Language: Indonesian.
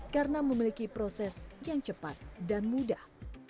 karena memiliki proses yang cepat dan mudah